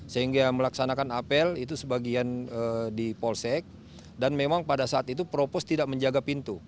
sehingga melaksanakan apel itu sebagian di polsek dan memang pada saat itu propos tidak menjaga pintu